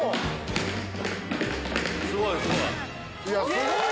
すごい！